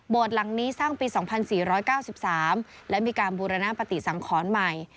หลังนี้สร้างปี๒๔๙๓และมีการบูรณปฏิสังขรใหม่